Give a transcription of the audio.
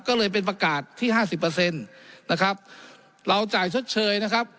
ก็เลยเป็นประกาศที่ห้าสิบเปอร์เซ็นต์นะครับเราจ่ายชดเชยนะครับ